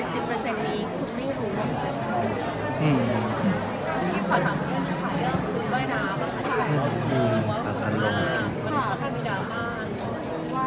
ขอถามทุกคนขายเรื่องชูเบ้ยน้ำฮักษัยซึมวิวคุณมากฮักษัยมีดราม่าน